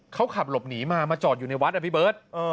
เขาขับหลบหนีมามาจอดอยู่ในวัดอ่ะพี่เบิร์ต